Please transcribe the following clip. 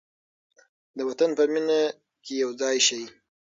د وطن په مینه کې یو ځای شئ.